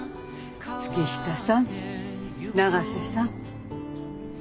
月下さん永瀬さん。